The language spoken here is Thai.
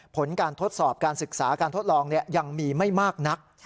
ผลการทดสอบการศึกษาการทดลองยังมีไม่มากนัก